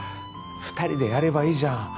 二人でやればいいじゃん